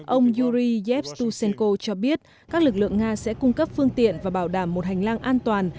ông yuri jev stusenko cho biết các lực lượng nga sẽ cung cấp phương tiện và bảo đảm một hành lang an toàn